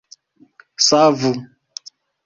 savu